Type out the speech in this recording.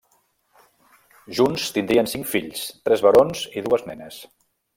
Junts tindrien cinc fills, tres barons i dues nenes.